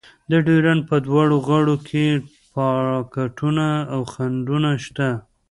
د ډیورنډ په دواړو غاړو کې پاټکونه او خنډونه شته.